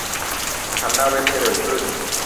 ทำหน้าเว็บให้เร็วขึ้น